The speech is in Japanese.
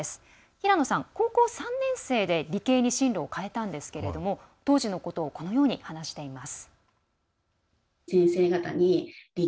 平野さん、高校３年生で理系に進路を変えたんですけれども当時のことをこのように話しています。